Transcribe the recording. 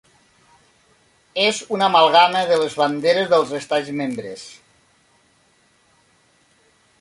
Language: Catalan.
És una amalgama de les banderes dels estats membres: